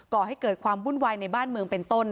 ก่อให้เกิดความวุ่นวายในบ้านเมืองเป็นต้น